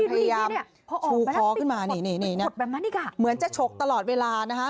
พยายามชูคอขึ้นมาเหมือนจะชกตลอดเวลานะฮะ